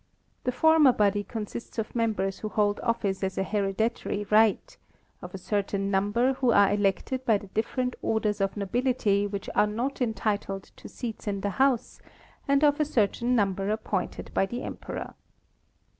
The former body consists of members who hold office asa hereditary right; of a certain num ber who are elected by the different orders of nobility which are not entitled to seats in the house, and of a certain number ap pointed by the Emperor.